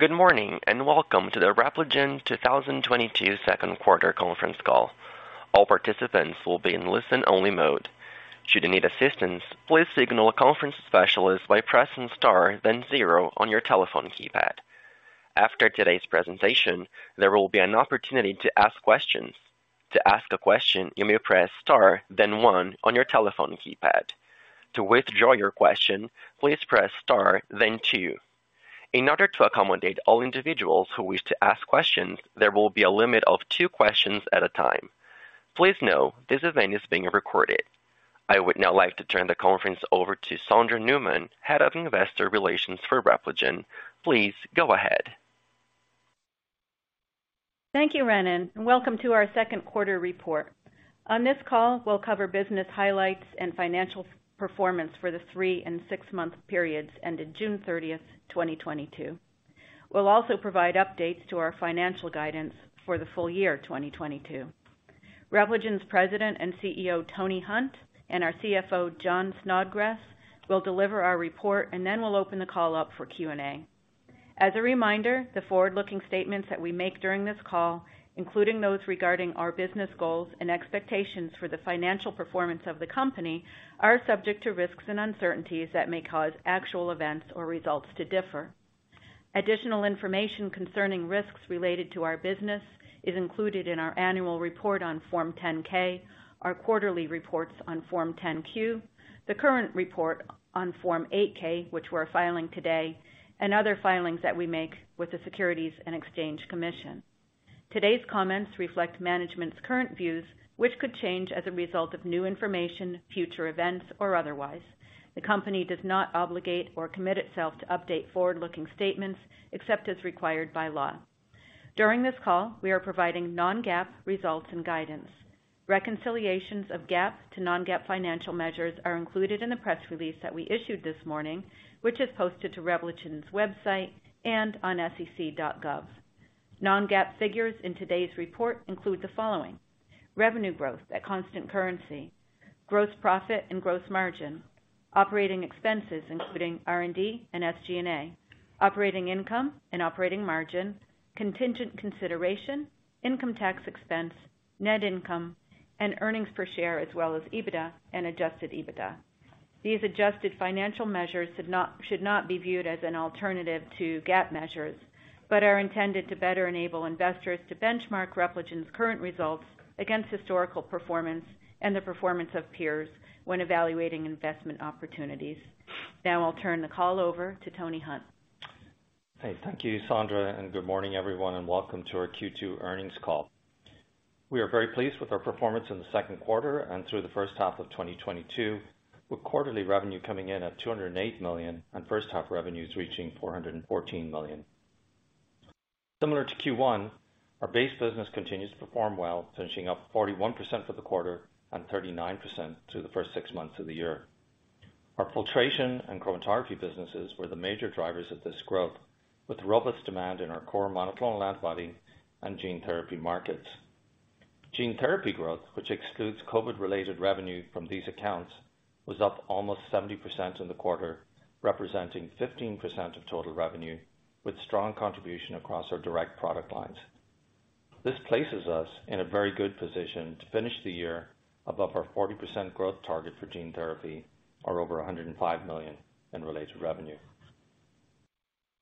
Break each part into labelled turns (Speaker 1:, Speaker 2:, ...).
Speaker 1: Good morning, and welcome to the Repligen 2022 Second Quarter Conference Call. All participants will be in listen-only mode. Should you need assistance, please signal a conference specialist by pressing star, then zero on your telephone keypad. After today's presentation, there will be an opportunity to ask questions. To ask a question, you may press star then one on your telephone keypad. To withdraw your question, please press star then two. In order to accommodate all individuals who wish to ask questions, there will be a limit of two questions at a time. Please know this event is being recorded. I would now like to turn the conference over to Sondra Newman, Head of Investor Relations for Repligen. Please go ahead.
Speaker 2: Thank you, Renan, and welcome to our second quarter report. On this call we'll cover business highlights and financial performance for the three and six-month periods ended June 30th, 2022. We'll also provide updates to our financial guidance for the full year, 2022. Repligen's President and CEO, Tony Hunt, and our CFO, Jon Snodgres, will deliver our report, and then we'll open the call up for Q&A. As a reminder, the forward-looking statements that we make during this call, including those regarding our business goals and expectations for the financial performance of the company, are subject to risks and uncertainties that may cause actual events or results to differ. Additional information concerning risks related to our business is included in our annual report on Form 10-K, our quarterly reports on Form 10-Q, the current report on Form 8-K, which we're filing today, and other filings that we make with the Securities and Exchange Commission. Today's comments reflect management's current views, which could change as a result of new information, future events, or otherwise. The company does not obligate or commit itself to update forward-looking statements except as required by law. During this call, we are providing non-GAAP results and guidance. Reconciliations of GAAP to non-GAAP financial measures are included in the press release that we issued this morning, which is posted to Repligen's website and on sec.gov. Non-GAAP figures in today's report include the following, revenue growth at constant currency, gross profit and gross margin, operating expenses, including R&D and SG&A, operating income and operating margin, contingent consideration, income tax expense, net income, and earnings per share, as well as EBITDA and Adjusted EBITDA. These adjusted financial measures should not be viewed as an alternative to GAAP measures, but are intended to better enable investors to benchmark Repligen's current results against historical performance and the performance of peers when evaluating investment opportunities. Now I'll turn the call over to Tony Hunt.
Speaker 3: Hey. Thank you, Sondra, and good morning, everyone, and welcome to our Q2 earnings call. We are very pleased with our performance in the second quarter and through the first half of 2022, with quarterly revenue coming in at $208 million and first half revenues reaching $414 million. Similar to Q1, our base business continues to perform well, finishing up 41% for the quarter and 39% through the first six months of the year. Our filtration and chromatography businesses were the major drivers of this growth, with robust demand in our core monoclonal antibody and gene therapy markets. Gene therapy growth, which excludes COVID-related revenue from these accounts, was up almost 70% in the quarter, representing 15% of total revenue with strong contribution across our direct product lines. This places us in a very good position to finish the year above our 40% growth target for gene therapy, or over $105 million in related revenue.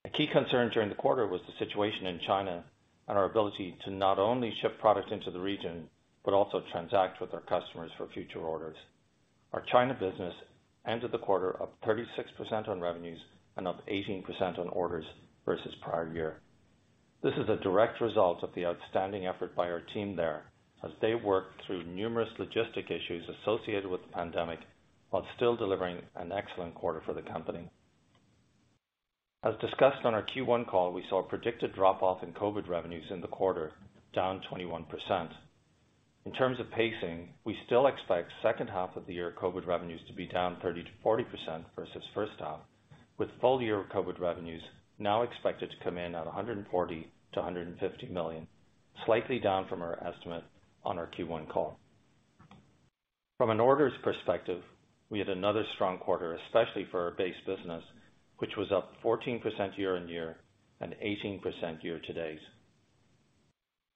Speaker 3: A key concern during the quarter was the situation in China and our ability to not only ship product into the region, but also transact with our customers for future orders. Our China business ended the quarter up 36% on revenues and up 18% on orders versus prior year. This is a direct result of the outstanding effort by our team there as they work through numerous logistic issues associated with the pandemic while still delivering an excellent quarter for the company. As discussed on our Q1 call, we saw a predicted drop off in COVID revenues in the quarter, down 21%. In terms of pacing, we still expect second half of the year COVID revenues to be down 30%-40% versus first half, with full year COVID revenues now expected to come in at $140 million-$150 million, slightly down from our estimate on our Q1 call. From an orders perspective, we had another strong quarter, especially for our base business, which was up 14% year-on-year and 18% year-to-date.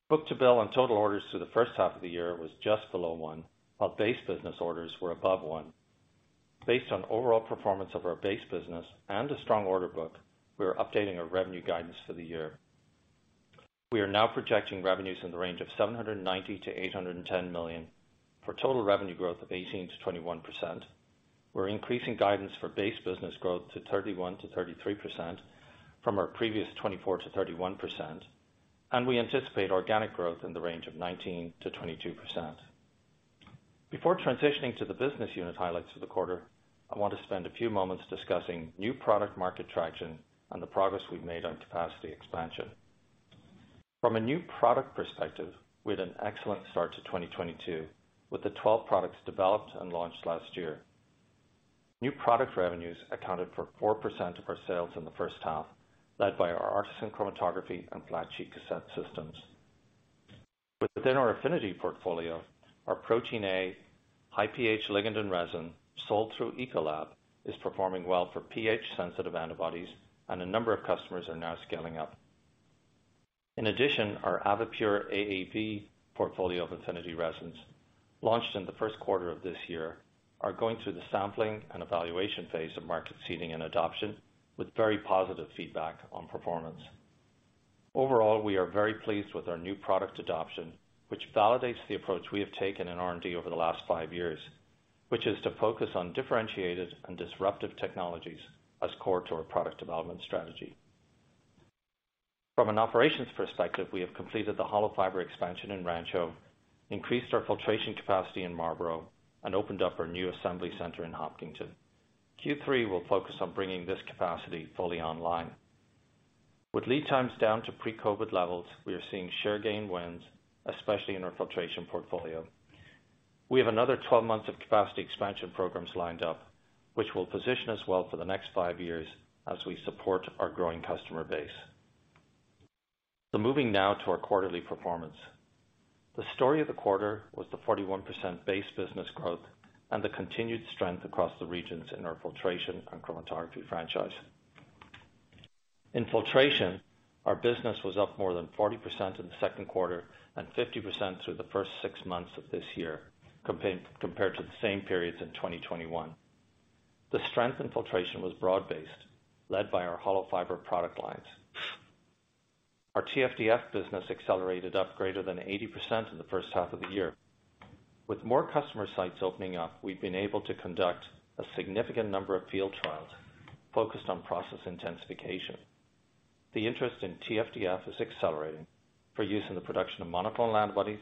Speaker 3: Book-to-bill on total orders to the first half of the year was just below one, while base business orders were above one. Based on overall performance of our base business and a strong order book, we are updating our revenue guidance for the year. We are now projecting revenues in the range of $790 million-$810 million for total revenue growth of 18%-21%. We're increasing guidance for base business growth to 31%-33% from our previous 24%-31%, and we anticipate organic growth in the range of 19%-22%. Before transitioning to the business unit highlights of the quarter, I want to spend a few moments discussing new product market traction and the progress we've made on capacity expansion. From a new product perspective, we had an excellent start to 2022 with the 12 products developed and launched last year. New product revenues accounted for 4% of our sales in the first half, led by our ARTeSYN chromatography and Flat Sheet Cassette Systems. Within our affinity portfolio, our Protein A high pH ligand and resin sold through Ecolab is performing well for pH sensitive antibodies, and a number of customers are now scaling up. In addition, our AVIPure AAV portfolio of affinity resins, launched in the first quarter of this year, are going through the sampling and evaluation phase of market seeding and adoption with very positive feedback on performance. Overall, we are very pleased with our new product adoption, which validates the approach we have taken in R&D over the last five years, which is to focus on differentiated and disruptive technologies as core to our product development strategy. From an operations perspective, we have completed the hollow fiber expansion in Rancho, increased our filtration capacity in Marlborough, and opened up our new assembly center in Hopkinton. Q3 will focus on bringing this capacity fully online. With lead times down to pre-COVID levels, we are seeing share gain wins, especially in our filtration portfolio. We have another 12 months of capacity expansion programs lined up, which will position us well for the next five years as we support our growing customer base. Moving now to our quarterly performance. The story of the quarter was the 41% base business growth and the continued strength across the regions in our filtration and chromatography franchise. In filtration, our business was up more than 40% in the second quarter and 50% through the first six months of this year compared to the same periods in 2021. The strength in filtration was broad-based, led by our hollow fiber product lines. Our TFDF business accelerated up greater than 80% in the first half of the year. With more customer sites opening up, we've been able to conduct a significant number of field trials focused on process intensification. The interest in TFDF is accelerating for use in the production of monoclonal antibodies,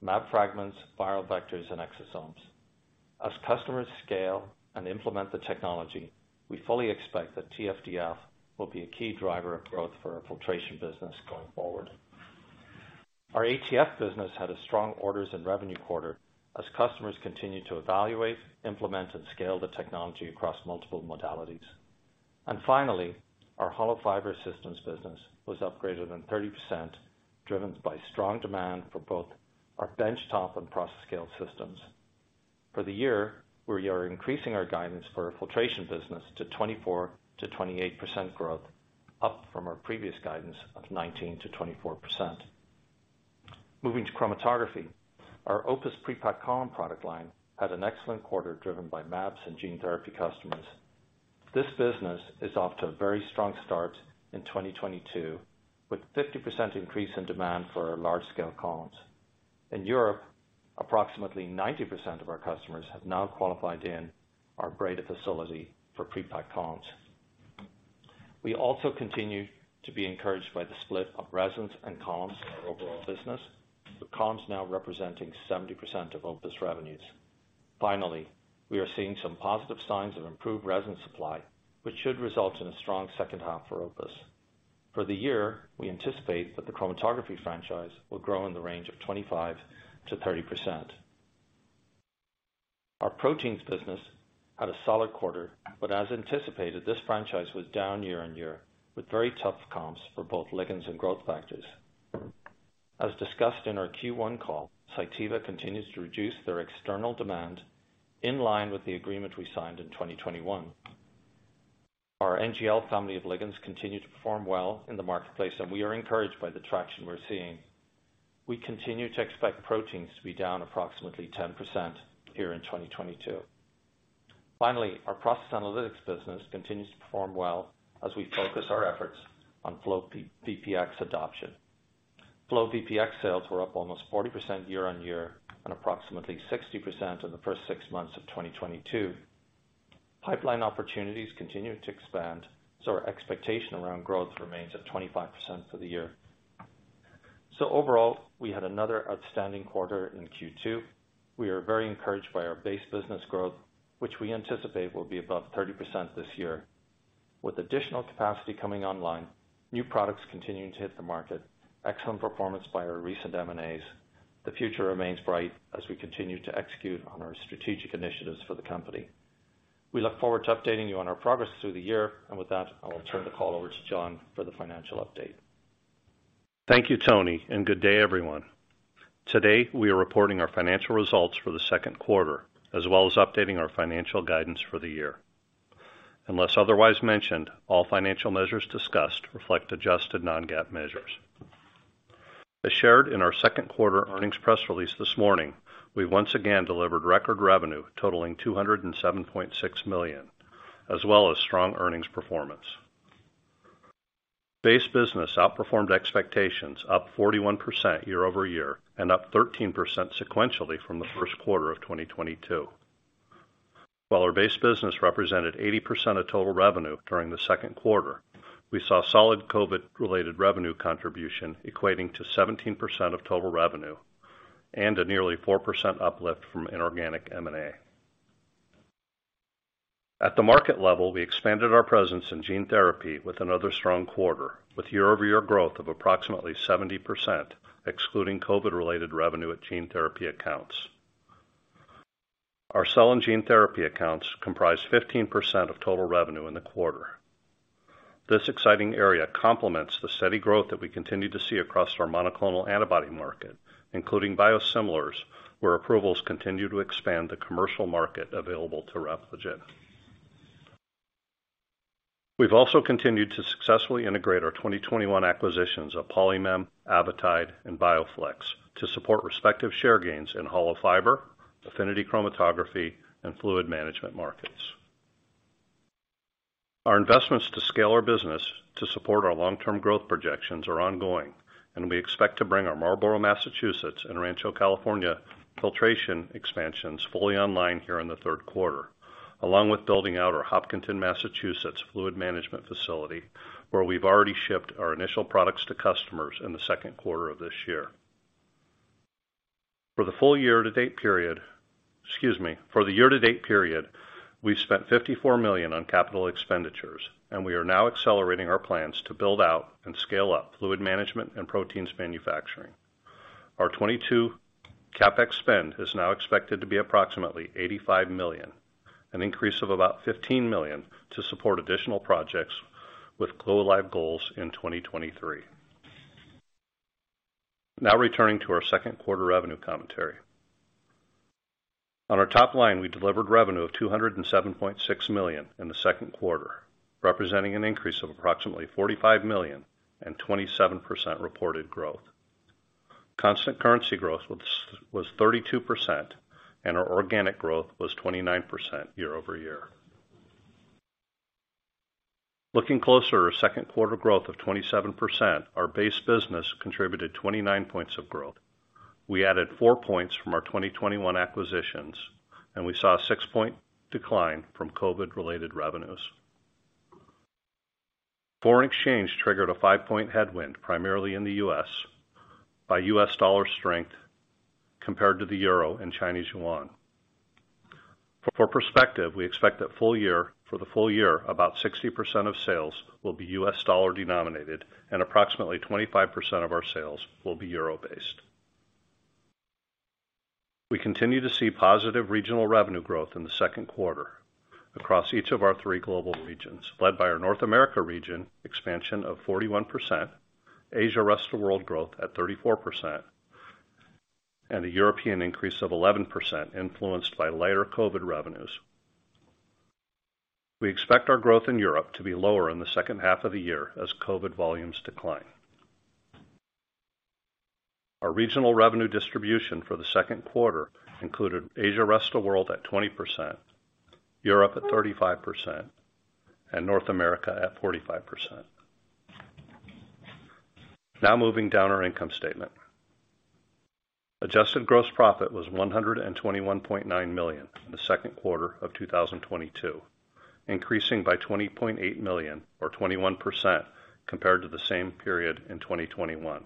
Speaker 3: mAb fragments, viral vectors, and exosomes. As customers scale and implement the technology, we fully expect that TFDF will be a key driver of growth for our filtration business going forward. Our ATF business had a strong orders and revenue quarter as customers continued to evaluate, implement, and scale the technology across multiple modalities. Our hollow fiber systems business was up greater than 30%, driven by strong demand for both our benchtop and process scale systems. For the year, we are increasing our guidance for our filtration business to 24%-28% growth, up from our previous guidance of 19%-24%. Moving to chromatography, our OPUS pre-packed column product line had an excellent quarter, driven by mAbs and gene therapy customers. This business is off to a very strong start in 2022, with 50% increase in demand for our large scale columns. In Europe, approximately 90% of our customers have now qualified in our Breda facility for pre-packed columns. We also continue to be encouraged by the split of resins and columns in our OPUS business, with columns now representing 70% of OPUS revenues. Finally, we are seeing some positive signs of improved resin supply, which should result in a strong second half for OPUS. For the year, we anticipate that the chromatography franchise will grow in the range of 25%-30%. Our proteins business had a solid quarter, but as anticipated, this franchise was down year-on-year with very tough comps for both ligands and growth factors. As discussed in our Q1 call, Cytiva continues to reduce their external demand in line with the agreement we signed in 2021. Our NGL family of ligands continue to perform well in the marketplace, and we are encouraged by the traction we're seeing. We continue to expect proteins to be down approximately 10% year in 2022. Finally, our process analytics business continues to perform well as we focus our efforts on FlowVPX adoption. FlowVPX sales were up almost 40% year-on-year and approximately 60% in the first six months of 2022. Pipeline opportunities continue to expand, so our expectation around growth remains at 25% for the year. Overall, we had another outstanding quarter in Q2. We are very encouraged by our base business growth, which we anticipate will be above 30% this year. With additional capacity coming online, new products continuing to hit the market, excellent performance by our recent M&As, the future remains bright as we continue to execute on our strategic initiatives for the company. We look forward to updating you on our progress through the year. With that, I will turn the call over to Jon for the financial update.
Speaker 4: Thank you, Tony, and good day everyone. Today we are reporting our financial results for the second quarter as well as updating our financial guidance for the year. Unless otherwise mentioned, all financial measures discussed reflect adjusted non-GAAP measures. As shared in our second quarter earnings press release this morning, we once again delivered record revenue totaling $207.6 million, as well as strong earnings performance. Base business outperformed expectations, up 41% year-over-year and up 13% sequentially from the first quarter of 2022. While our base business represented 80% of total revenue during the second quarter, we saw solid COVID related revenue contribution equating to 17% of total revenue and a nearly 4% uplift from inorganic M&A. At the market level, we expanded our presence in gene therapy with another strong quarter with year-over-year growth of approximately 70%, excluding COVID-related revenue at gene therapy accounts. Our cell and gene therapy accounts comprise 15% of total revenue in the quarter. This exciting area complements the steady growth that we continue to see across our monoclonal antibody market, including biosimilars, where approvals continue to expand the commercial market available to Repligen. We've also continued to successfully integrate our 2021 acquisitions of Polymem, Avitide, and BioFlex to support respective share gains in hollow fiber, affinity chromatography, and fluid management markets. Our investments to scale our business to support our long-term growth projections are ongoing, and we expect to bring our Marlborough, Massachusetts, and Rancho, California, filtration expansions fully online here in the third quarter, along with building out our Hopkinton, Massachusetts, fluid management facility, where we've already shipped our initial products to customers in the second quarter of this year. For the year-to-date period, we've spent $54 million on capital expenditures, and we are now accelerating our plans to build out and scale up fluid management and proteins manufacturing. Our 2022 CapEx spend is now expected to be approximately $85 million, an increase of about $15 million, to support additional projects with go live goals in 2023. Now returning to our second quarter revenue commentary. On our top line, we delivered revenue of $207.6 million in the second quarter, representing an increase of approximately $45 million and 27% reported growth. Constant currency growth was 32%, and our organic growth was 29% year-over-year. Looking closer at our second quarter growth of 27%, our base business contributed 29 points of growth. We added four points from our 2021 acquisitions, and we saw a six-point decline from COVID-related revenues. Foreign exchange triggered a five-point headwind, primarily in the U.S. dollar strength compared to the euro and Chinese yuan. For perspective, we expect that for the full year, about 60% of sales will be U.S. dollar denominated and approximately 25% of our sales will be euro based. We continue to see positive regional revenue growth in the second quarter across each of our three global regions, led by our North America region expansion of 41%, Asia Rest of World growth at 34%, and a European increase of 11% influenced by lighter COVID revenues. We expect our growth in Europe to be lower in the second half of the year as COVID volumes decline. Our regional revenue distribution for the second quarter included Asia Rest of World at 20%, Europe at 35%, and North America at 45%. Now moving down our income statement. Adjusted gross profit was $121.9 million in the second quarter of 2022, increasing by $20.8 million, or 21%, compared to the same period in 2021.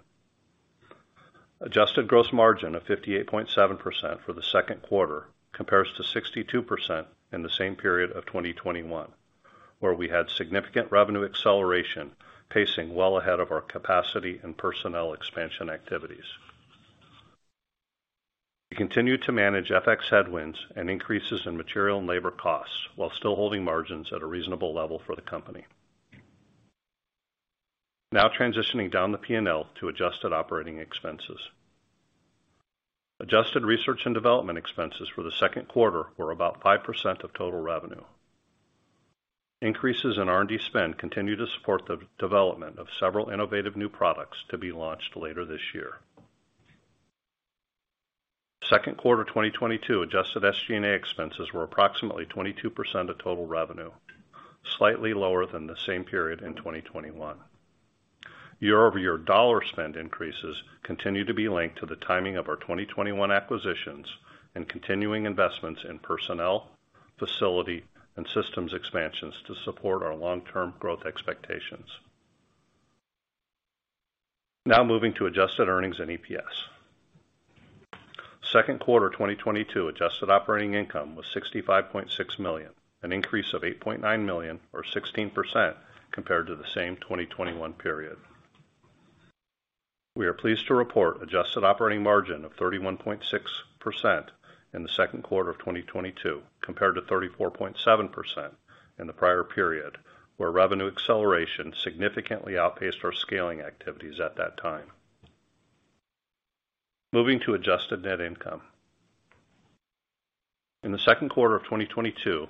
Speaker 4: Adjusted gross margin of 58.7% for the second quarter compares to 62% in the same period of 2021, where we had significant revenue acceleration pacing well ahead of our capacity and personnel expansion activities. We continue to manage FX headwinds and increases in material and labor costs while still holding margins at a reasonable level for the company. Now transitioning down the P&L to adjusted operating expenses. Adjusted research and development expenses for the second quarter were about 5% of total revenue. Increases in R&D spend continue to support the development of several innovative new products to be launched later this year. Second quarter 2022 Adjusted SG&A expenses were approximately 22% of total revenue, slightly lower than the same period in 2021. Year-over-year dollar spend increases continue to be linked to the timing of our 2021 acquisitions and continuing investments in personnel, facility and systems expansions to support our long term growth expectations. Now moving to adjusted earnings and EPS. Second quarter 2022 adjusted operating income was $65.6 million, an increase of $8.9 million, or 16%, compared to the same 2021 period. We are pleased to report adjusted operating margin of 31.6% in the second quarter of 2022, compared to 34.7% in the prior period, where revenue acceleration significantly outpaced our scaling activities at that time. Moving to adjusted net income. In the second quarter of 2022,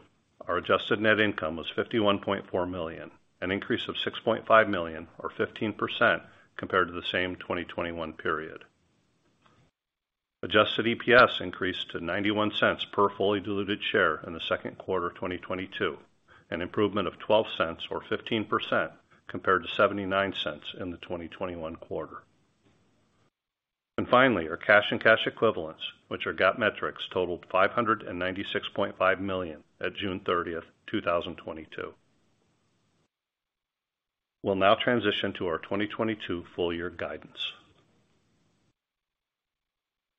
Speaker 4: our adjusted net income was $51.4 million, an increase of $6.5 million, or 15%, compared to the same 2021 period. Adjusted EPS increased to $0.91 per fully diluted share in the second quarter of 2022, an improvement of $0.12 or 15%, compared to $0.79 in the 2021 quarter. Finally, our cash and cash equivalents, which are GAAP metrics, totaled $596.5 million at June 30th, 2022. We'll now transition to our 2022 full year guidance.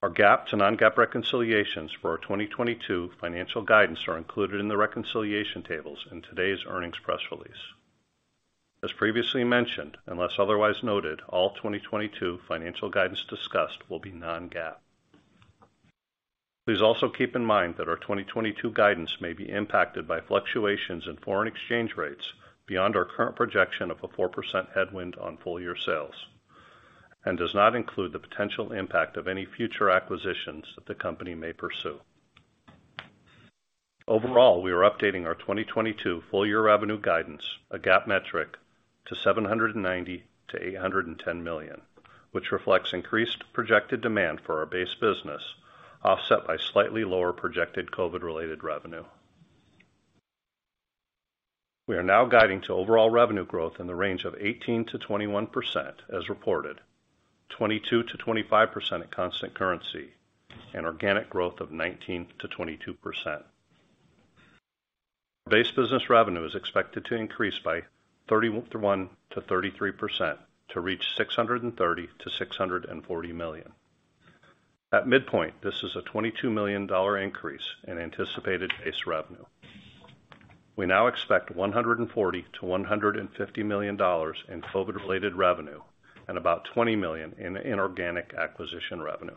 Speaker 4: Our GAAP to non-GAAP reconciliations for our 2022 financial guidance are included in the reconciliation tables in today's earnings press release. As previously mentioned, unless otherwise noted, all 2022 financial guidance discussed will be non-GAAP. Please also keep in mind that our 2022 guidance may be impacted by fluctuations in foreign exchange rates beyond our current projection of a 4% headwind on full year sales. Does not include the potential impact of any future acquisitions that the company may pursue. Overall, we are updating our 2022 full year revenue guidance, a GAAP metric, to $790 million-$810 million, which reflects increased projected demand for our base business, offset by slightly lower projected COVID-related revenue. We are now guiding to overall revenue growth in the range of 18%-21% as reported, 22%-25% at constant currency, and organic growth of 19%-22%. Base business revenue is expected to increase by 31%-33% to reach $630 million-$640 million. At midpoint, this is a $22 million increase in anticipated base revenue. We now expect $140 million-$150 million in COVID-related revenue and about $20 million in inorganic acquisition revenue.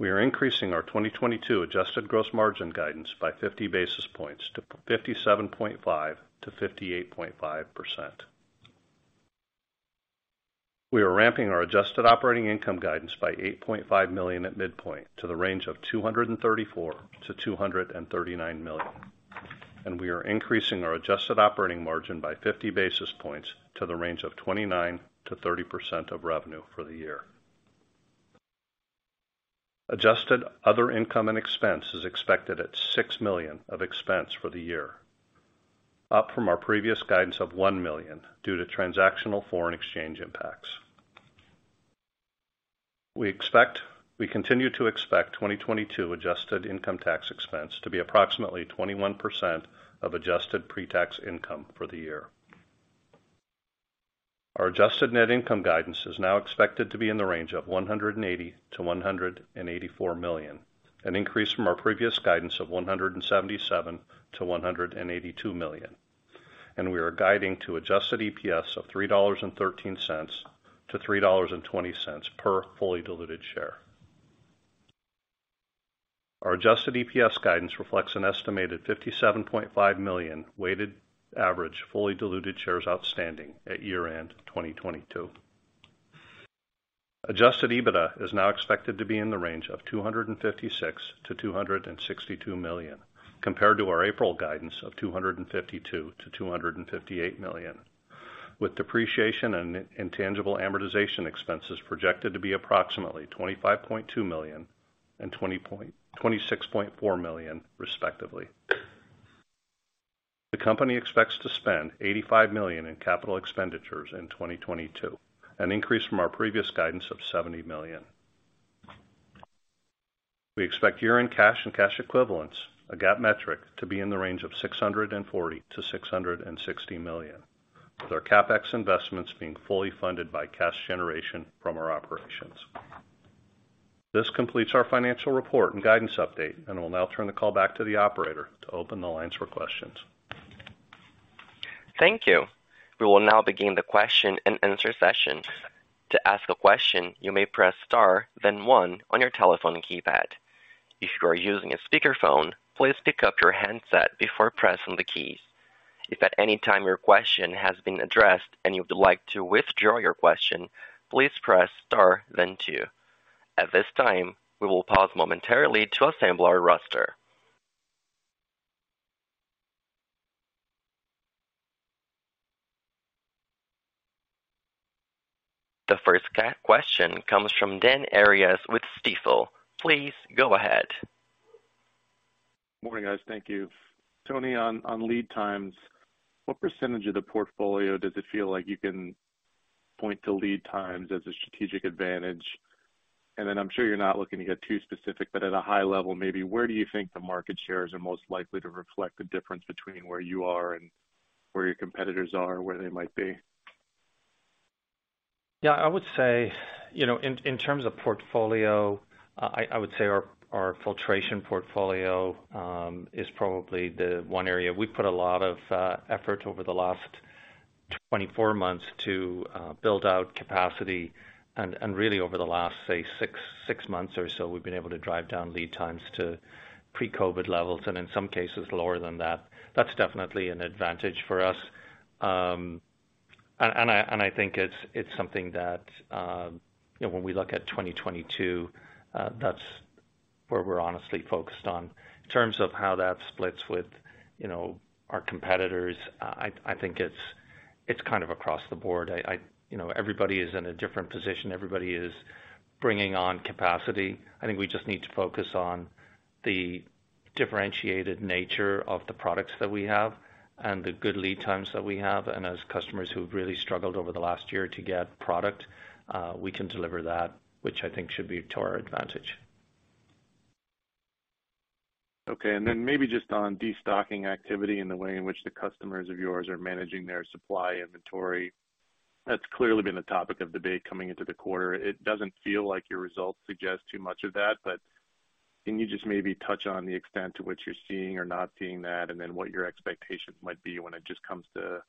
Speaker 4: We are increasing our 2022 adjusted gross margin guidance by 50 basis points to 57.5%-58.5%. We are ramping our adjusted operating income guidance by $8.5 million at midpoint to the range of $234 million-$239 million. We are increasing our adjusted operating margin by 50 basis points to the range of 29%-30% of revenue for the year. Adjusted other income and expense is expected at $6 million of expense for the year. Up from our previous guidance of $1 million due to transactional foreign exchange impacts. We continue to expect 2022 adjusted income tax expense to be approximately 21% of adjusted pre-tax income for the year. Our adjusted net income guidance is now expected to be in the range of $180 million-$184 million, an increase from our previous guidance of $177 million-$182 million. We are guiding to Adjusted EPS of $3.13-$3.20 per fully diluted share. Our Adjusted EPS guidance reflects an estimated 57.5 million weighted average fully diluted shares outstanding at year-end 2022. Adjusted EBITDA is now expected to be in the range of $256 million-$262 million, compared to our April guidance of $252 million-$258 million, with depreciation and intangible amortization expenses projected to be approximately $25.2 million and $26.4 million, respectively. The company expects to spend $85 million in capital expenditures in 2022, an increase from our previous guidance of $70 million. We expect year-end cash and cash equivalents, a GAAP metric, to be in the range of $640 million-$660 million, with our CapEx investments being fully funded by cash generation from our operations. This completes our financial report and guidance update, and we'll now turn the call back to the operator to open the lines for questions.
Speaker 1: Thank you. We will now begin the question-and-answer session. To ask a question, you may press star, then one on your telephone keypad. If you are using a speakerphone, please pick up your handset before pressing the keys. If at any time your question has been addressed and you would like to withdraw your question, please press star then two. At this time, we will pause momentarily to assemble our roster. The first question comes from Dan Arias with Stifel. Please go ahead.
Speaker 5: Morning, guys. Thank you. Tony, on lead times, what percentage of the portfolio does it feel like you can point to lead times as a strategic advantage? Then I'm sure you're not looking to get too specific, but at a high level, maybe where do you think the market shares are most likely to reflect the difference between where you are and where your competitors are or where they might be?
Speaker 3: Yeah, I would say, you know, in terms of portfolio, I would say our filtration portfolio is probably the one area. We've put a lot of effort over the last 24 months to build out capacity, and really over the last, say, six months or so, we've been able to drive down lead times to pre-COVID levels, and in some cases lower than that. That's definitely an advantage for us. And I think it's something that, you know, when we look at 2022, that's where we're honestly focused on. In terms of how that splits with, you know, our competitors, I think it's kind of across the board. You know, everybody is in a different position. Everybody is bringing on capacity. I think we just need to focus on the differentiated nature of the products that we have and the good lead times that we have. As customers who have really struggled over the last year to get product, we can deliver that, which I think should be to our advantage.
Speaker 5: Okay. Maybe just on destocking activity and the way in which the customers of yours are managing their supply inventory. That's clearly been a topic of debate coming into the quarter. It doesn't feel like your results suggest too much of that, but. Can you just maybe touch on the extent to which you're seeing or not seeing that, and then what your expectations might be when it just comes to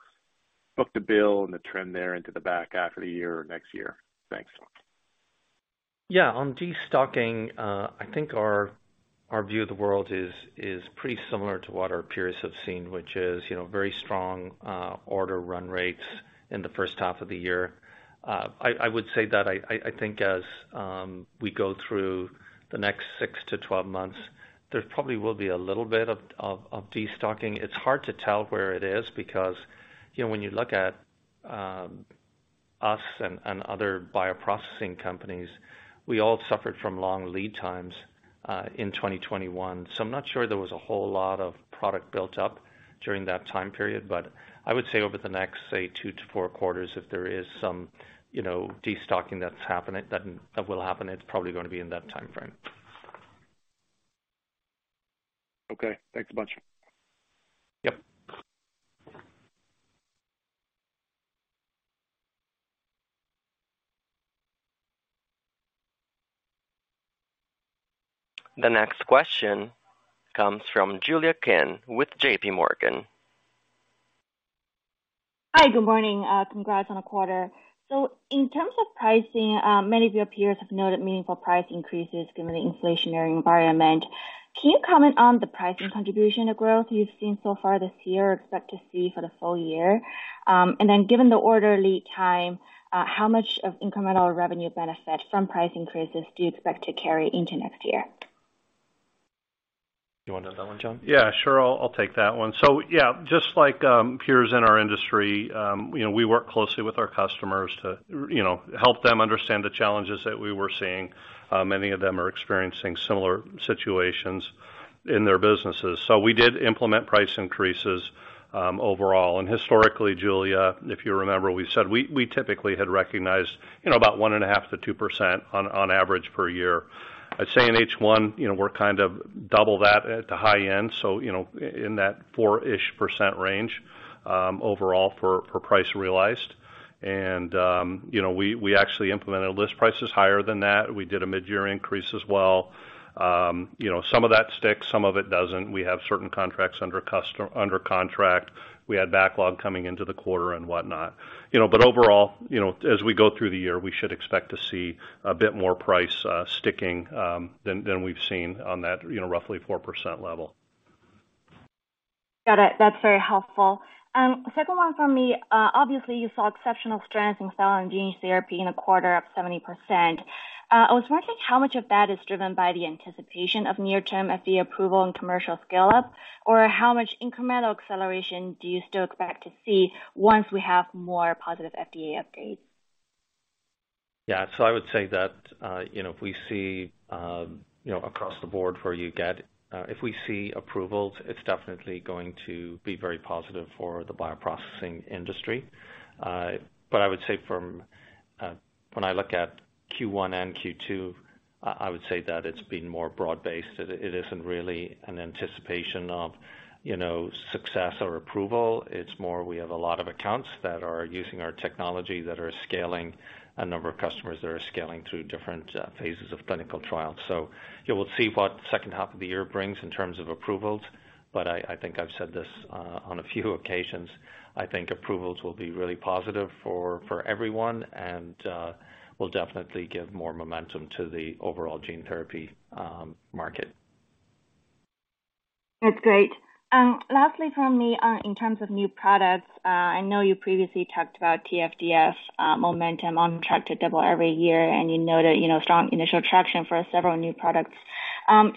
Speaker 5: book-to-bill and the trend there into the back half of the year or next year? Thanks.
Speaker 3: On destocking, I think our view of the world is pretty similar to what our peers have seen, which is, you know, very strong order run rates in the first half of the year. I would say that I think as we go through the next six to 12 months, there probably will be a little bit of destocking. It's hard to tell where it is because, you know, when you look at us and other bioprocessing companies, we all suffered from long lead times in 2021. I'm not sure there was a whole lot of product built up during that time period. I would say over the next, say, two to four quarters, if there is some, you know, destocking that's happening, that will happen, it's probably gonna be in that timeframe.
Speaker 5: Okay. Thanks a bunch.
Speaker 3: Yep.
Speaker 1: The next question comes from Julia Kim with JPMorgan.
Speaker 6: Hi, good morning. Congrats on the quarter. In terms of pricing, many of your peers have noted meaningful price increases given the inflationary environment. Can you comment on the pricing contribution to growth you've seen so far this year or expect to see for the full year? Given the order lead time, how much of incremental revenue benefit from price increases do you expect to carry into next year?
Speaker 3: You wanna take that one, Jon?
Speaker 4: Yeah, sure. I'll take that one. Yeah, just like peers in our industry, you know, we work closely with our customers to, you know, help them understand the challenges that we were seeing. Many of them are experiencing similar situations in their businesses. We did implement price increases overall. Historically, Julia, if you remember, we said we typically had recognized, you know, about 1.5%-2% on average per year. I'd say in H1, you know, we're kind of double that at the high end, so you know, in that 4%-ish range overall for price realized. You know, we actually implemented list prices higher than that. We did a mid-year increase as well. You know, some of that sticks, some of it doesn't. We have certain contracts under contract. We had backlog coming into the quarter and whatnot. You know, overall, you know, as we go through the year, we should expect to see a bit more price sticking than we've seen on that, you know, roughly 4% level.
Speaker 6: Got it. That's very helpful. Second one for me. Obviously you saw exceptional strength in cell and gene therapy in the quarter, up 70%. I was wondering how much of that is driven by the anticipation of near-term FDA approval and commercial scale-up, or how much incremental acceleration do you still expect to see once we have more positive FDA updates?
Speaker 3: Yeah. I would say that, you know, if we see approvals across the board, it's definitely going to be very positive for the bioprocessing industry. I would say from when I look at Q1 and Q2, I would say that it's been more broad-based. It isn't really an anticipation of, you know, success or approval. It's more we have a lot of accounts that are using our technology that are scaling, a number of customers that are scaling through different phases of clinical trials. Yeah, we'll see what second half of the year brings in terms of approvals, but I think I've said this on a few occasions. I think approvals will be really positive for everyone and will definitely give more momentum to the overall gene therapy market.
Speaker 6: That's great. Lastly from me, in terms of new products, I know you previously talked about TFDF, momentum on track to double every year, and you noted, you know, strong initial traction for several new products.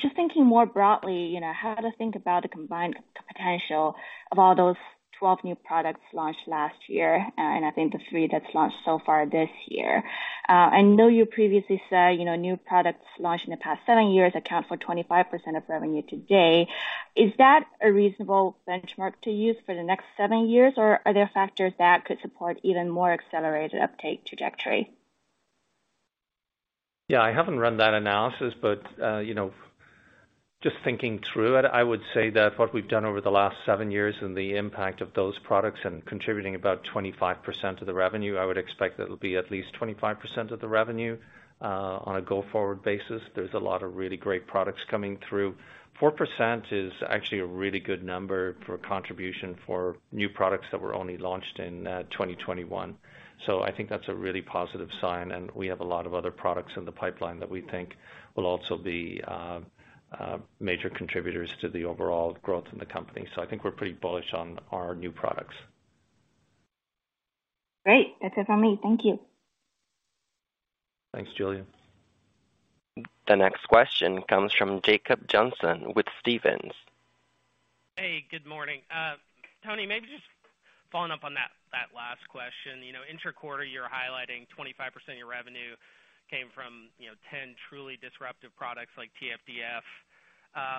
Speaker 6: Just thinking more broadly, you know, how to think about the combined potential of all those 12 new products launched last year, and I think the three that's launched so far this year. I know you previously said, you know, new products launched in the past seven years account for 25% of revenue today. Is that a reasonable benchmark to use for the next seven years, or are there factors that could support even more accelerated uptake trajectory?
Speaker 3: Yeah, I haven't run that analysis but, you know, just thinking through it, I would say that what we've done over the last seven years and the impact of those products and contributing about 25% of the revenue, I would expect that it'll be at least 25% of the revenue, on a go-forward basis. There's a lot of really great products coming through. 4% is actually a really good number for contribution for new products that were only launched in 2021. I think that's a really positive sign, and we have a lot of other products in the pipeline that we think will also be major contributors to the overall growth in the company. I think we're pretty bullish on our new products.
Speaker 6: Great. That's it from me. Thank you.
Speaker 3: Thanks, Julia.
Speaker 1: The next question comes from Jacob Johnson with Stephens.
Speaker 7: Hey, good morning. Tony, maybe just following up on that last question. You know, intra-quarter, you're highlighting 25% of your revenue came from, you know, 10 truly disruptive products like TFDF.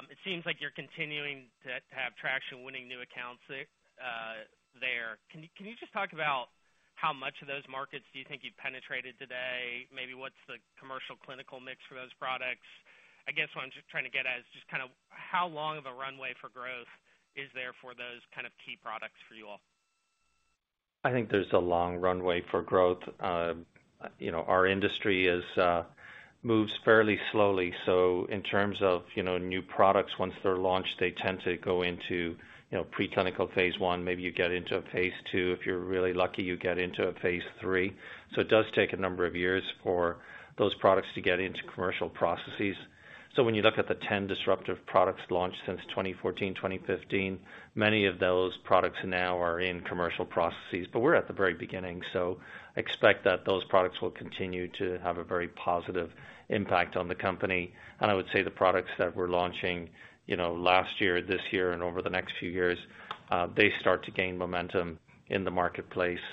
Speaker 7: It seems like you're continuing to have traction winning new accounts there. Can you just talk about how much of those markets do you think you've penetrated today? Maybe what's the commercial clinical mix for those products? I guess what I'm just trying to get at is just kind of how long of a runway for growth is there for those kind of key products for you all?
Speaker 3: I think there's a long runway for growth. You know, our industry moves fairly slowly. In terms of, you know, new products, once they're launched, they tend to go into, you know, preclinical phase I, maybe you get into a phase II. If you're really lucky, you get into a phase III. It does take a number of years for those products to get into commercial processes. When you look at the 10 disruptive products launched since 2014, 2015, many of those products now are in commercial processes. We're at the very beginning, so expect that those products will continue to have a very positive impact on the company. I would say the products that we're launching, you know, last year, this year, and over the next few years, they start to gain momentum in the marketplace.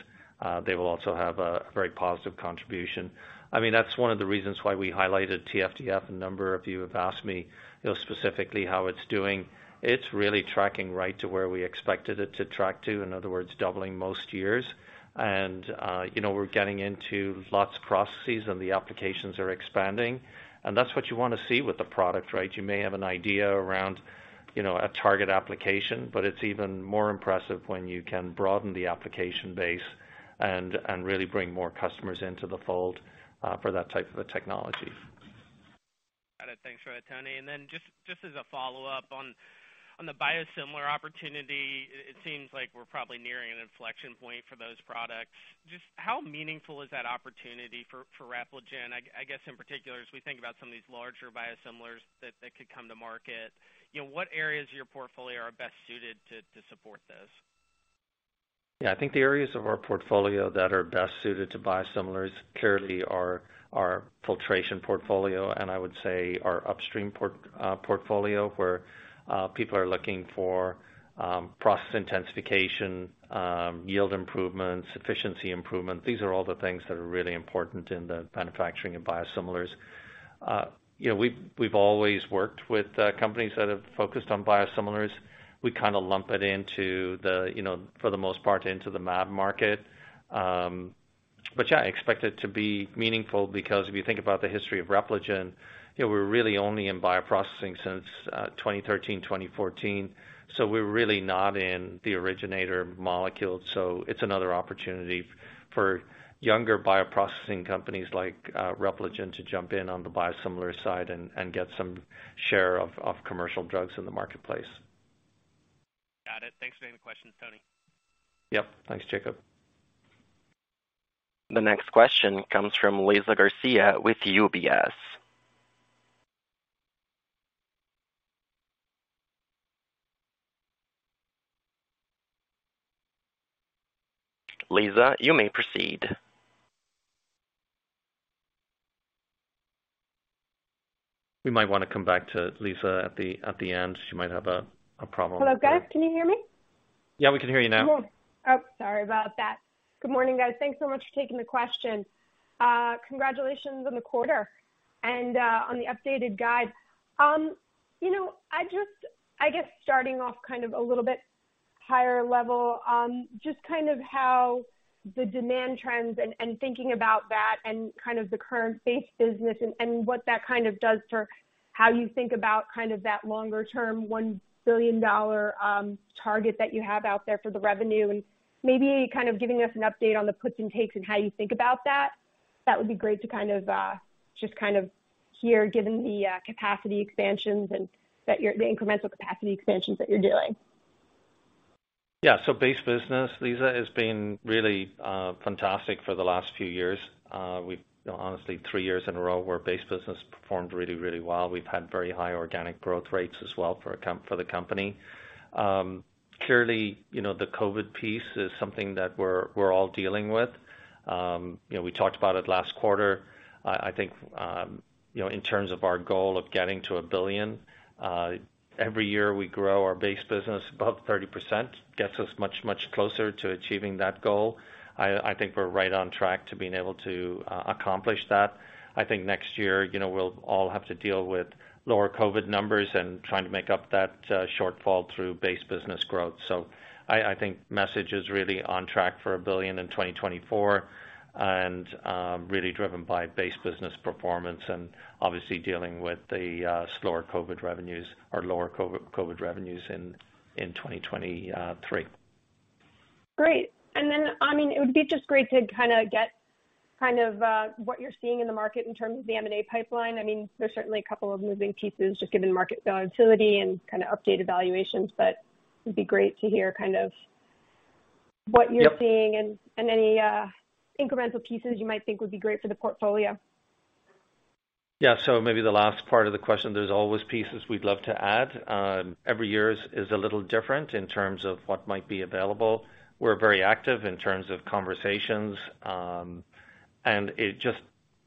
Speaker 3: They will also have a very positive contribution. I mean, that's one of the reasons why we highlighted TFDF. A number of you have asked me, you know, specifically how it's doing. It's really tracking right to where we expected it to track to, in other words, doubling most years. You know, we're getting into lots of processes and the applications are expanding, and that's what you wanna see with the product, right? You may have an idea around, you know, a target application, but it's even more impressive when you can broaden the application base and really bring more customers into the fold, for that type of a technology.
Speaker 7: Got it. Thanks for that, Tony. Just as a follow-up on the biosimilar opportunity, it seems like we're probably nearing an inflection point for those products. Just how meaningful is that opportunity for Repligen? I guess in particular, as we think about some of these larger biosimilars that could come to market, you know, what areas of your portfolio are best suited to support this?
Speaker 3: Yeah, I think the areas of our portfolio that are best suited to biosimilars clearly are our filtration portfolio and I would say our upstream portfolio, where people are looking for process intensification, yield improvements, efficiency improvement. These are all the things that are really important in the manufacturing and biosimilars. You know, we've always worked with companies that have focused on biosimilars. We kinda lump it into the, you know, for the most part, into the mAb market. But yeah, I expect it to be meaningful because if you think about the history of Repligen, you know, we're really only in bioprocessing since 2013, 2014, so we're really not in the originator molecule. It's another opportunity for younger bioprocessing companies like Repligen to jump in on the biosimilar side and get some share of commercial drugs in the marketplace.
Speaker 7: Got it. Thanks for taking the question, Tony.
Speaker 3: Yep. Thanks, Jacob.
Speaker 1: The next question comes from Liza Garcia with UBS. Liza, you may proceed.
Speaker 3: We might wanna come back to Liza at the end. She might have a problem with her.
Speaker 8: Hello, guys. Can you hear me?
Speaker 3: Yeah, we can hear you now.
Speaker 8: Cool. Oh, sorry about that. Good morning, guys. Thanks so much for taking the question. Congratulations on the quarter and on the updated guide. You know, I guess starting off kind of a little bit higher level, just kind of how the demand trends and thinking about that and kind of the current base business and what that kind of does for how you think about kind of that longer term $1 billion target that you have out there for the revenue and maybe kind of giving us an update on the puts and takes and how you think about that. That would be great to kind of just kind of hear given the capacity expansions and the incremental capacity expansions that you're doing.
Speaker 3: Base business, Liza, has been really fantastic for the last few years. We've you know, honestly, three years in a row where base business performed really, really well. We've had very high organic growth rates as well for the company. Clearly, you know, the COVID piece is something that we're all dealing with. You know, we talked about it last quarter. I think you know, in terms of our goal of getting to $1 billion every year we grow our base business above 30%, gets us much closer to achieving that goal. I think we're right on track to being able to accomplish that. I think next year, you know, we'll all have to deal with lower COVID numbers and trying to make up that shortfall through base business growth. I think Repligen is really on track for $1 billion in 2024 and really driven by base business performance and obviously dealing with the slower COVID revenues or lower COVID revenues in 2023.
Speaker 8: Great. I mean, it would be just great to kinda get kind of what you're seeing in the market in terms of the M&A pipeline. I mean, there's certainly a couple of moving pieces just given market volatility and kinda updated valuations, but it'd be great to hear kind of what you're seeing and any incremental pieces you might think would be great for the portfolio.
Speaker 3: Yeah. Maybe the last part of the question, there's always pieces we'd love to add. Every year is a little different in terms of what might be available. We're very active in terms of conversations, and it just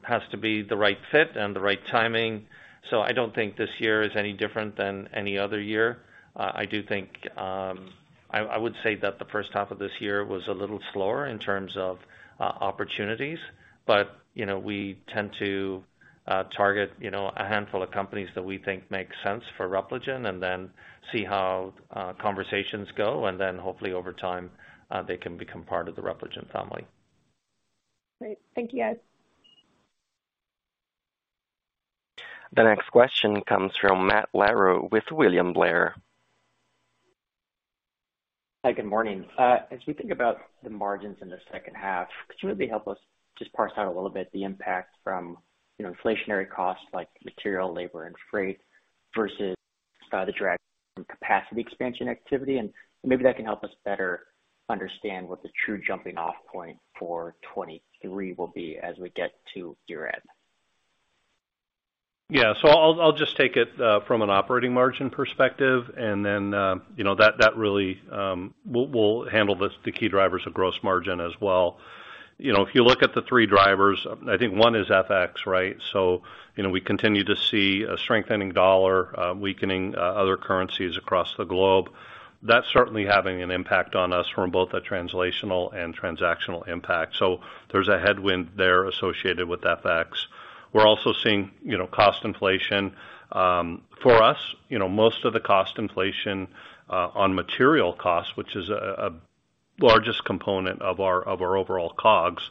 Speaker 3: has to be the right fit and the right timing. I don't think this year is any different than any other year. I do think I would say that the first half of this year was a little slower in terms of opportunities, but you know, we tend to target you know, a handful of companies that we think make sense for Repligen and then see how conversations go, and then hopefully over time they can become part of the Repligen family.
Speaker 8: Great. Thank you, guys.
Speaker 1: The next question comes from Matt Larew with William Blair.
Speaker 9: Hi, good morning. As we think about the margins in the second half, could you maybe help us just parse out a little bit the impact from, you know, inflationary costs like material, labor, and freight versus the drag from capacity expansion activity? Maybe that can help us better understand what the true jumping off point for 2023 will be as we get to year-end.
Speaker 4: I'll just take it from an operating margin perspective, and then you know, that really we'll handle the key drivers of gross margin as well. You know, if you look at the three drivers, I think one is FX, right? We continue to see a strengthening dollar, weakening other currencies across the globe. That's certainly having an impact on us from both a translational and transactional impact. There's a headwind there associated with FX. We're also seeing, you know, cost inflation. For us, you know, most of the cost inflation on material costs, which is the largest component of our overall COGS,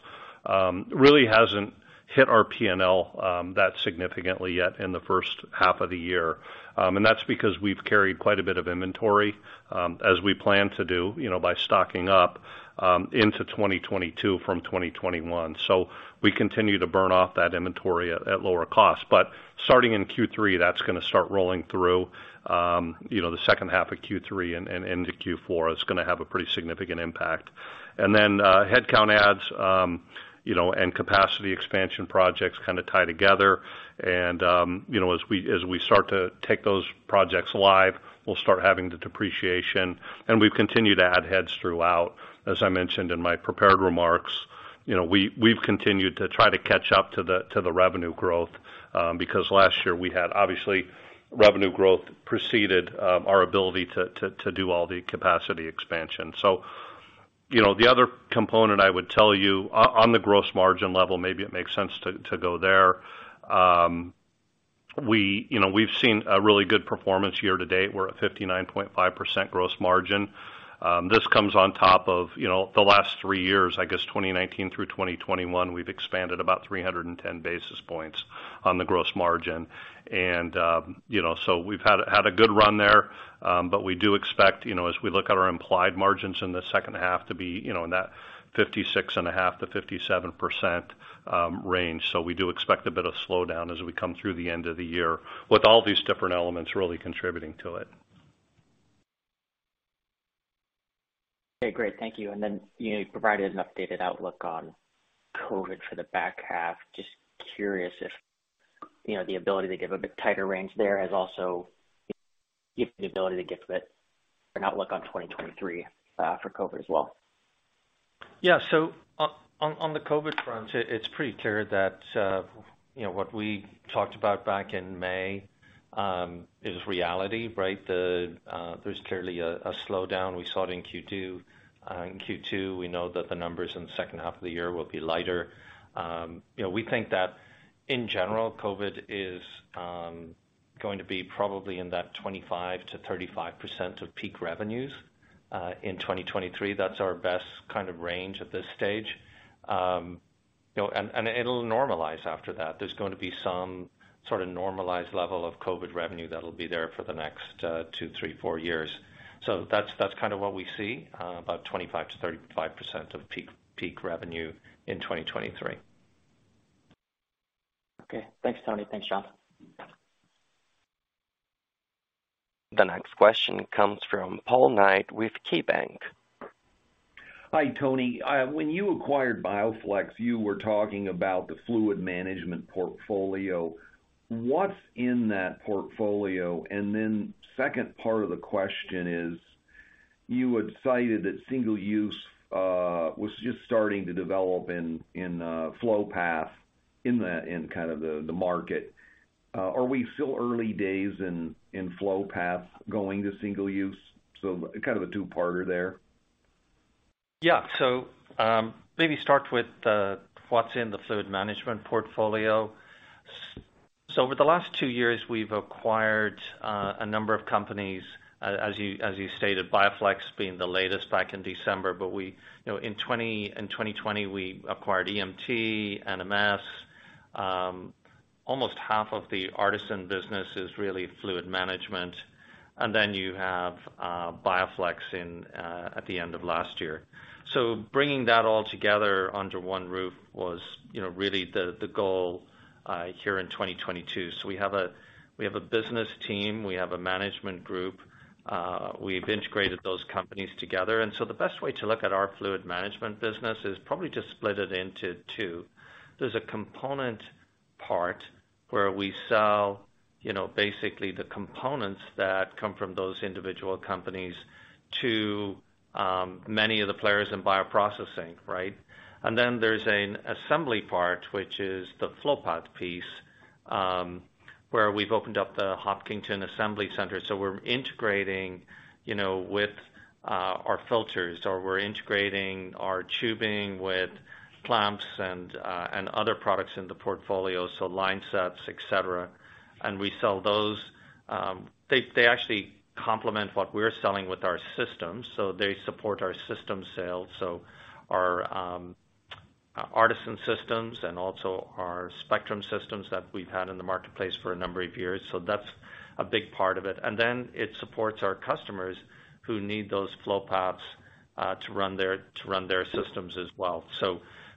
Speaker 4: really hasn't hit our P&L that significantly yet in the first half of the year. That's because we've carried quite a bit of inventory, as we plan to do, you know, by stocking up into 2022 from 2021. We continue to burn off that inventory at lower cost. Starting in Q3, that's gonna start rolling through, you know, the second half of Q3 and into Q4, it's gonna have a pretty significant impact. Then, headcount adds, you know, and capacity expansion projects kind of tie together and, you know, as we start to take those projects live, we'll start having the depreciation. We've continued to add heads throughout. As I mentioned in my prepared remarks, you know, we've continued to try to catch up to the revenue growth because last year we had obviously revenue growth preceded our ability to do all the capacity expansion. You know, the other component I would tell you on the gross margin level, maybe it makes sense to go there. You know, we've seen a really good performance year to date. We're at 59.5% gross margin. This comes on top of, you know, the last three years, I guess 2019 through 2021, we've expanded about 310 basis points on the gross margin. You know, we've had a good run there, but we do expect, you know, as we look at our implied margins in the second half to be, you know, in that 56.5%-57% range. We do expect a bit of slowdown as we come through the end of the year with all these different elements really contributing to it.
Speaker 9: Okay, great. Thank you. You know, you provided an updated outlook on COVID for the back half. Just curious if, you know, the ability to give a bit tighter range there has also given the ability to give a bit of an outlook on 2023 for COVID as well?
Speaker 3: Yeah. On the COVID front, it's pretty clear that, you know, what we talked about back in May is reality, right? There's clearly a slowdown. We saw it in Q2. In Q2, we know that the numbers in the second half of the year will be lighter. You know, we think that in general, COVID is going to be probably in that 25%-35% of peak revenues in 2023. That's our best kind of range at this stage. You know, and it'll normalize after that. There's going to be some sort of normalized level of COVID revenue that'll be there for the next two, three, four years. That's kind of what we see about 25%-35% of peak revenue in 2023.
Speaker 9: Okay. Thanks, Tony. Thanks, Jon.
Speaker 1: The next question comes from Paul Knight with KeyBanc.
Speaker 10: Hi, Tony. When you acquired BioFlex, you were talking about the fluid management portfolio. What's in that portfolio? Second part of the question is, you had cited that single-use was just starting to develop in flow path in kind of the market. Are we still early days in flow path going to single use? Kind of a two-parter there.
Speaker 3: Yeah. Maybe start with what's in the fluid management portfolio. Over the last two years, we've acquired a number of companies, as you stated, BioFlex being the latest back in December. We, you know, in 2020, we acquired EMT, NMS. Almost half of the ARTeSYN business is really fluid management. You have BioFlex in at the end of last year. Bringing that all together under one roof was, you know, really the goal here in 2022. We have a business team, a management group. We've integrated those companies together. The best way to look at our fluid management business is probably just split it into two. There's a component part where we sell, you know, basically the components that come from those individual companies to many of the players in bioprocessing, right? There's an assembly part, which is the flow path piece, where we've opened up the Hopkinton Assembly Center. We're integrating, you know, with our filters, or we're integrating our tubing with clamps and other products in the portfolio, so line sets, et cetera. We sell those. They actually complement what we're selling with our systems, so they support our system sales. Our ARTeSYN systems and also our Spectrum systems that we've had in the marketplace for a number of years. That's a big part of it. It supports our customers who need those flow paths to run their systems as well.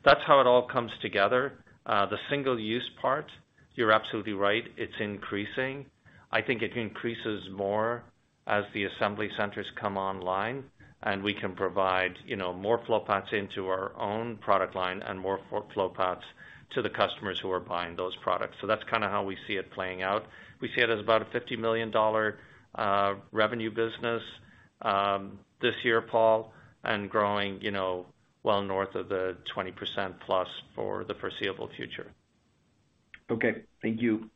Speaker 3: That's how it all comes together. The single-use part, you're absolutely right, it's increasing. I think it increases more as the assembly centers come online and we can provide, you know, more flow paths into our own product line and more for flow paths to the customers who are buying those products. That's kinda how we see it playing out. We see it as about a $50 million revenue business this year, Paul, and growing, you know, well north of the 20%+ for the foreseeable future.
Speaker 10: Okay, thank you.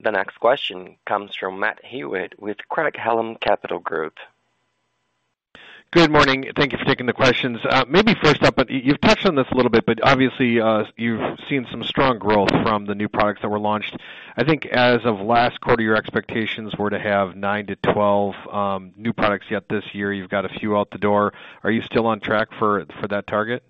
Speaker 1: The next question comes from Matt Hewitt with Craig-Hallum Capital Group.
Speaker 11: Good morning. Thank you for taking the questions. Maybe first up, but you've touched on this a little bit, but obviously, you've seen some strong growth from the new products that were launched. I think as of last quarter, your expectations were to have nine-12 new products yet this year. You've got a few out the door. Are you still on track for that target?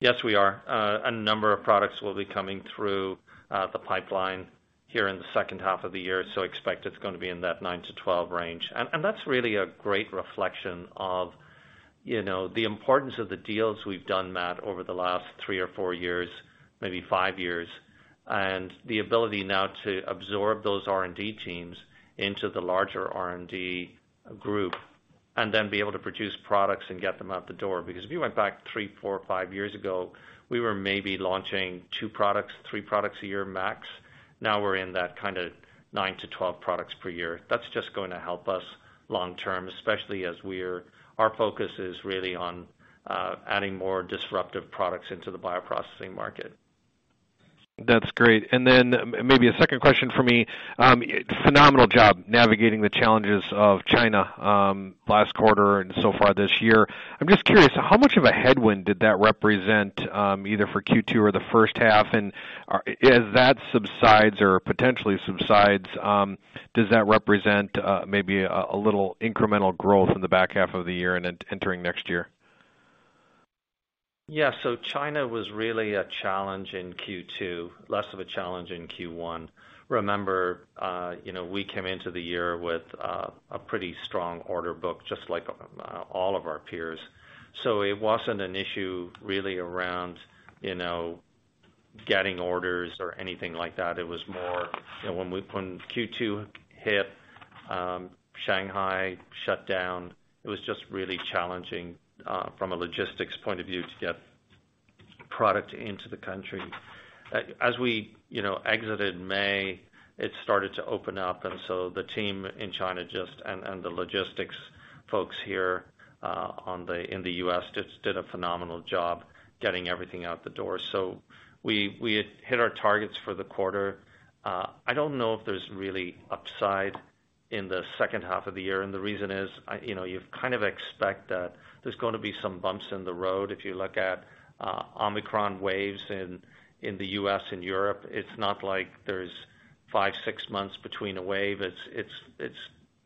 Speaker 3: Yes, we are. A number of products will be coming through the pipeline here in the second half of the year. Expect it's gonna be in that nine-12 range. That's really a great reflection of, you know, the importance of the deals we've done, Matt, over the last three or four years, maybe five years. The ability now to absorb those R&D teams into the larger R&D group, and then be able to produce products and get them out the door. Because if you went back three, four, five years ago, we were maybe launching two products, three products a year max. Now we're in that kinda nine-12 products per year. That's just gonna help us long term, especially as our focus is really on adding more disruptive products into the bioprocessing market.
Speaker 11: That's great. Then maybe a second question for me. Phenomenal job navigating the challenges of China last quarter and so far this year. I'm just curious, how much of a headwind did that represent either for Q2 or the first half? As that subsides or potentially subsides, does that represent maybe a little incremental growth in the back half of the year and then entering next year?
Speaker 3: Yeah. China was really a challenge in Q2, less of a challenge in Q1. Remember, you know, we came into the year with a pretty strong order book, just like all of our peers. It wasn't an issue really around, you know, getting orders or anything like that. It was more, you know, when Q2 hit, Shanghai shut down, it was just really challenging from a logistics point of view to get product into the country. As we, you know, exited in May, it started to open up, and the team in China and the logistics folks here in the U.S. just did a phenomenal job getting everything out the door. We hit our targets for the quarter. I don't know if there's really upside in the second half of the year, and the reason is, you know, you kind of expect that there's gonna be some bumps in the road. If you look at Omicron waves in the U.S. and Europe, it's not like there's five, six months between a wave. It's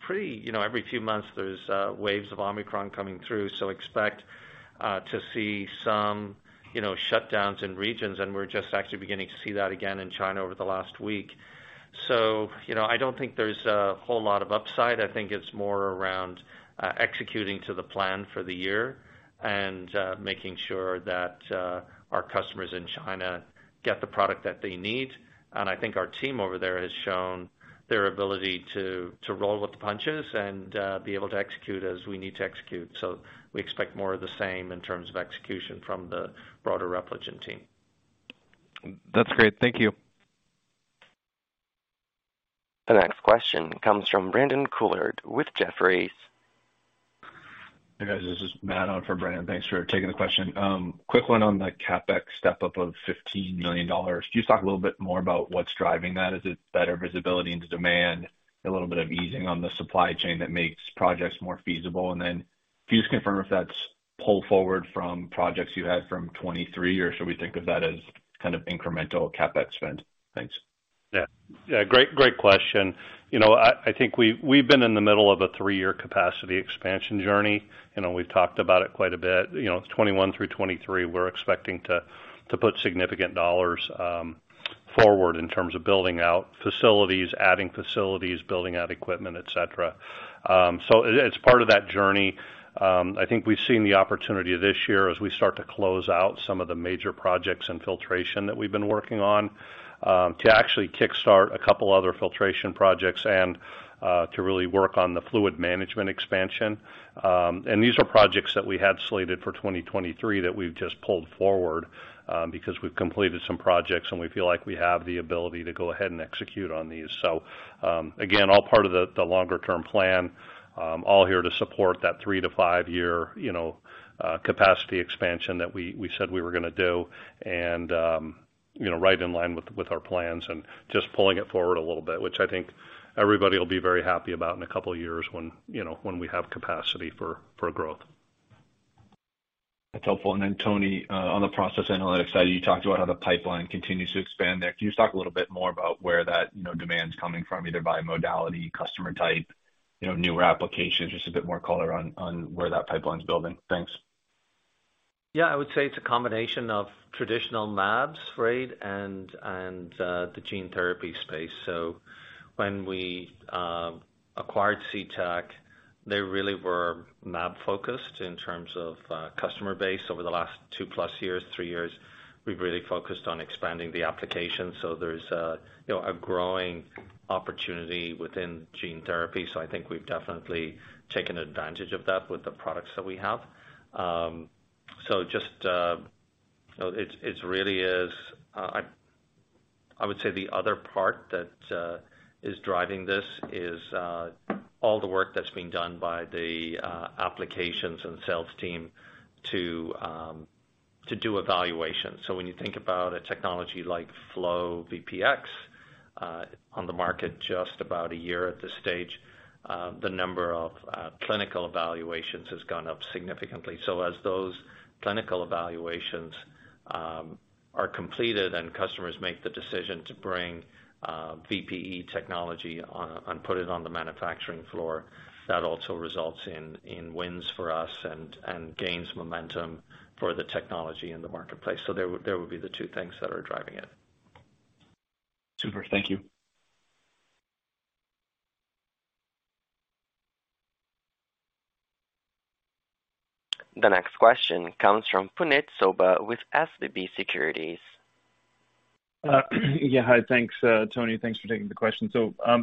Speaker 3: pretty, you know, every few months there's waves of Omicron coming through. So expect to see some, you know, shutdowns in regions, and we're just actually beginning to see that again in China over the last week. You know, I don't think there's a whole lot of upside. I think it's more around executing to the plan for the year and making sure that our customers in China get the product that they need. I think our team over there has shown their ability to roll with the punches and be able to execute as we need to execute. We expect more of the same in terms of execution from the broader Repligen team.
Speaker 11: That's great. Thank you.
Speaker 1: The next question comes from Brandon Couillard with Jefferies.
Speaker 12: Hey, guys, this is Matt on for Brandon. Thanks for taking the question. Quick one on the CapEx step-up of $15 million. Can you just talk a little bit more about what's driving that? Is it better visibility into demand, a little bit of easing on the supply chain that makes projects more feasible? Can you just confirm if that's pulled forward from projects you had from 2023, or should we think of that as kind of incremental CapEx spend? Thanks.
Speaker 4: Yeah. Great question. You know, I think we've been in the middle of a three-year capacity expansion journey. You know, we've talked about it quite a bit. You know, 2021 through 2023, we're expecting to put significant dollars forward in terms of building out facilities, adding facilities, building out equipment, et cetera. So it's part of that journey. I think we've seen the opportunity this year as we start to close out some of the major projects in filtration that we've been working on to actually kickstart a couple other filtration projects and to really work on the fluid management expansion. These are projects that we had slated for 2023 that we've just pulled forward because we've completed some projects, and we feel like we have the ability to go ahead and execute on these. Again, all part of the longer term plan, all here to support that three to five-year, you know, capacity expansion that we said we were gonna do and, you know, right in line with our plans and just pulling it forward a little bit, which I think everybody will be very happy about in a couple of years when, you know, when we have capacity for growth.
Speaker 12: That's helpful. Tony, on the process analytics side, you talked about how the pipeline continues to expand there. Can you just talk a little bit more about where that, you know, demand's coming from, either by modality, customer type, you know, newer applications, just a bit more color on where that pipeline's building? Thanks.
Speaker 3: Yeah, I would say it's a combination of traditional labs, right, and the gene therapy space. When we acquired C Tech, they really were lab focused in terms of customer base. Over the last two-plus years, three years, we've really focused on expanding the application. There's you know, a growing opportunity within gene therapy. I think we've definitely taken advantage of that with the products that we have. Just you know, it really is. I would say the other part that is driving this is all the work that's being done by the applications and sales team to do evaluations. When you think about a technology like FlowVPX on the market just about a year at this stage, the number of clinical evaluations has gone up significantly. As those clinical evaluations are completed and customers make the decision to bring VPE technology on, and put it on the manufacturing floor, that also results in wins for us and gains momentum for the technology in the marketplace. There would be the two things that are driving it.
Speaker 12: Super. Thank you.
Speaker 1: The next question comes from Puneet Souda with SVB Securities.
Speaker 13: Yeah, hi. Thanks, Tony. Thanks for taking the question.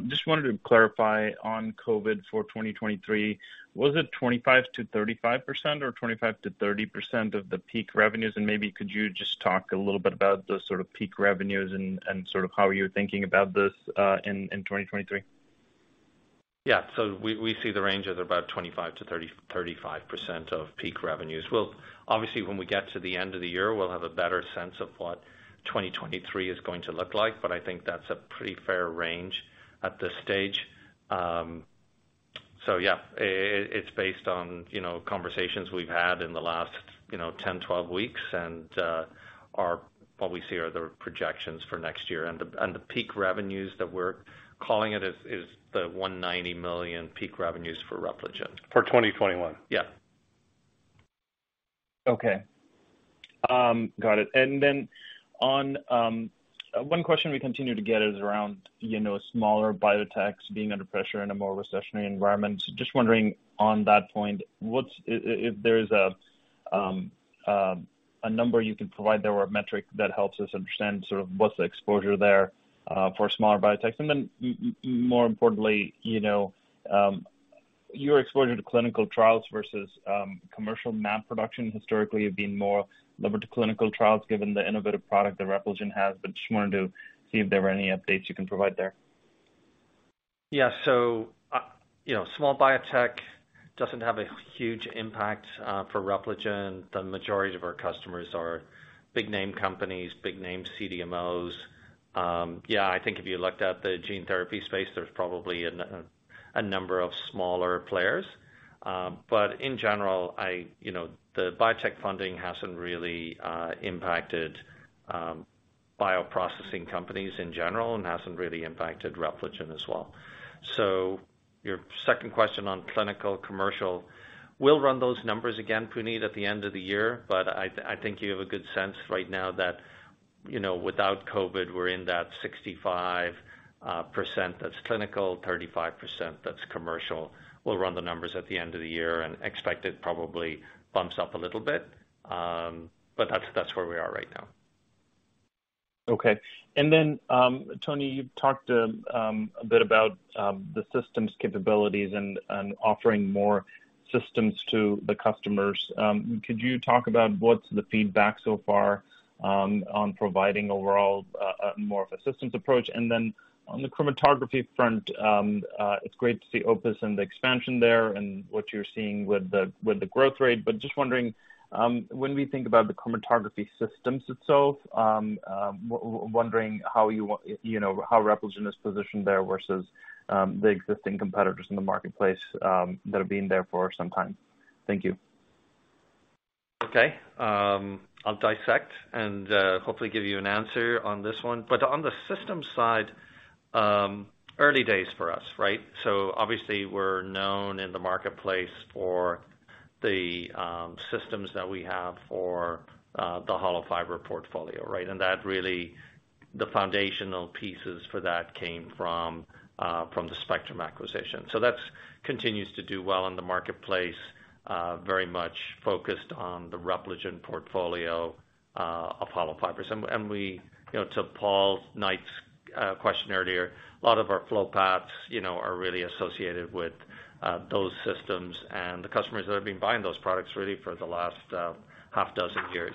Speaker 13: Just wanted to clarify on COVID for 2023, was it 25%-35% or 25%-30% of the peak revenues? And maybe could you just talk a little bit about the sort of peak revenues and sort of how you're thinking about this, in 2023?
Speaker 4: Yeah. We see the range of about 25%-35% of peak revenues. Obviously, when we get to the end of the year, we'll have a better sense of what 2023 is going to look like, but I think that's a pretty fair range at this stage. Yeah, it's based on, you know, conversations we've had in the last, you know, 10, 12 weeks and what we see are the projections for next year. The peak revenues that we're calling it is the $190 million peak revenues for Repligen.
Speaker 13: For 2021?
Speaker 4: Yeah.
Speaker 13: Okay. Got it. One question we continue to get is around, you know, smaller biotechs being under pressure in a more recessionary environment. Just wondering on that point, what if there's a number you can provide there or a metric that helps us understand sort of what's the exposure there for smaller biotechs. More importantly, you know, your exposure to clinical trials versus commercial mAb production historically have been more levered to clinical trials given the innovative product that Repligen has. Just wanted to see if there were any updates you can provide there.
Speaker 3: Yeah. Small biotech doesn't have a huge impact for Repligen. The majority of our customers are big name companies, big name CDMOs. Yeah, I think if you looked at the gene therapy space, there's probably a number of smaller players. But in general, you know, the biotech funding hasn't really impacted bioprocessing companies in general and hasn't really impacted Repligen as well. Your second question on clinical commercial, we'll run those numbers again, Puneet, at the end of the year, but I think you have a good sense right now that, you know, without COVID, we're in that 65% that's clinical, 35% that's commercial. We'll run the numbers at the end of the year and expect it probably bumps up a little bit. But that's where we are right now.
Speaker 13: Tony, you talked a bit about the systems capabilities and offering more systems to the customers. Could you talk about what's the feedback so far on providing overall more of a systems approach? On the chromatography front, it's great to see OPUS and the expansion there and what you're seeing with the growth rate. Just wondering, when we think about the chromatography systems itself, wondering how you know, how Repligen is positioned there versus the existing competitors in the marketplace that have been there for some time. Thank you.
Speaker 3: Okay. I'll dissect and hopefully give you an answer on this one. On the systems side, early days for us, right? Obviously we're known in the marketplace for the systems that we have for the hollow fiber portfolio, right? That really, the foundational pieces for that came from the Spectrum acquisition. That continues to do well in the marketplace, very much focused on the Repligen portfolio of hollow fibers. We, you know, to Paul Knight's question earlier, a lot of our flow paths, you know, are really associated with those systems and the customers that have been buying those products really for the last half dozen years.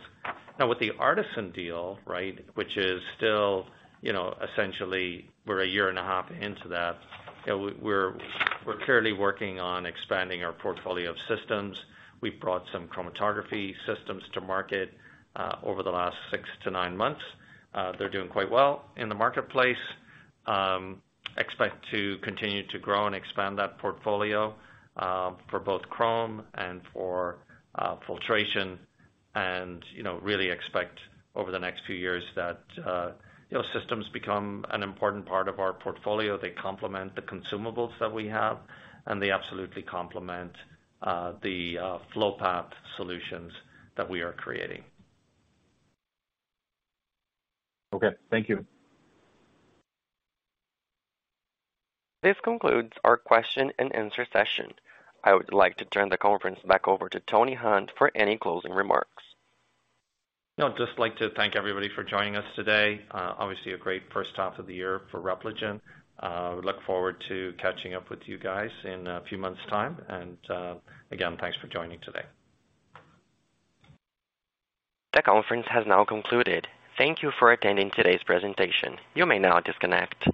Speaker 3: Now, with the ARTeSYN deal, right, which is still, you know, essentially we're a year and a half into that, you know, we're currently working on expanding our portfolio of systems. We've brought some chromatography systems to market over the last six to nine months. They're doing quite well in the marketplace. Expect to continue to grow and expand that portfolio for both chrom and for filtration. You know, really expect over the next few years that systems become an important part of our portfolio. They complement the consumables that we have, and they absolutely complement the flow path solutions that we are creating.
Speaker 13: Okay. Thank you.
Speaker 1: This concludes our question and answer session. I would like to turn the conference back over to Tony Hunt for any closing remarks.
Speaker 3: No, just like to thank everybody for joining us today. Obviously a great first half of the year for Repligen. Look forward to catching up with you guys in a few months' time. Again, thanks for joining today.
Speaker 1: The conference has now concluded. Thank you for attending today's presentation. You may now disconnect.